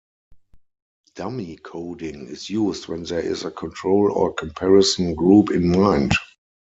Dummy coding is used when there is a control or comparison group in mind.